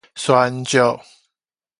璇石